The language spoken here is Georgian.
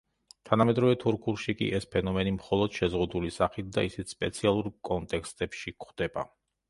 თანამედროვე თურქულში კი ეს ფენომენი მხოლოდ შეზღუდული სახით და ისიც სპეციალურ კონტექსტებში გვხვდება.